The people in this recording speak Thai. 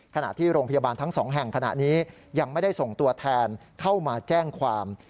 ขณะที่โรงพยาบาลทั้งสองแห่งขณะนี้ยังไม่ได้ส่งตัวแทนเข้ามาแจ้งความ